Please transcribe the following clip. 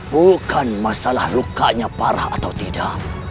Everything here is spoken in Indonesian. bukan masalah lukanya parah atau tidak